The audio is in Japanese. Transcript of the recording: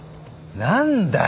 何だよ？